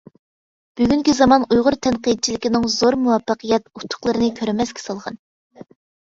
بۈگۈنكى زامان ئۇيغۇر تەنقىدچىلىكىنىڭ زور مۇۋەپپەقىيەت، ئۇتۇقلىرىنى كۆرمەسكە سالغان.